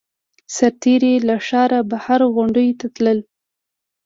سرتېري له ښاره بهر غونډیو ته تلل